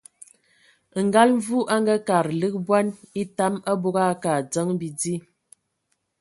Ngal Mvu a ngaakad lig bɔn etam, abog a akǝ a adzǝn bidí.